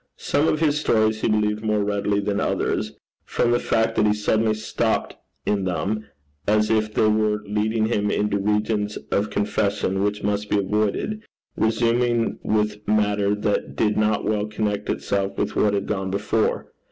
Some of his stories he believed more readily than others, from the fact that he suddenly stopped in them, as if they were leading him into regions of confession which must be avoided, resuming with matter that did not well connect itself with what had gone before.